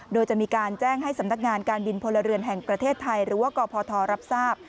โดยจะมีการแจ้งให้สำนักงานการบินพลเรือนแห่งประเทศไทยหรือว่ากพทรับทราบ